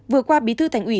vừa qua bí thư thành ủy